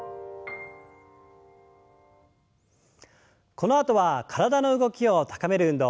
このあとは体の動きを高める運動。